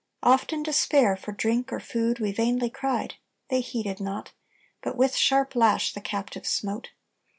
Oft, in despair, for drink or food We vainly cried; they heeded not, But with sharp lash the captive smote.